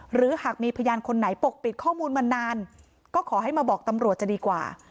หรือหากมีพยานคนไหนปกปิดข้อมูลมานานก็ขอให้มาบอกตำรวจจะดีกว่า